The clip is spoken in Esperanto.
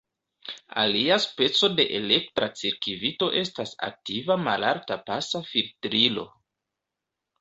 Alia speco de elektra cirkvito estas aktiva malalta-pasa filtrilo.